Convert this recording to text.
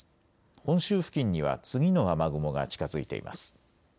本州付近には次の雨雲が近づいています。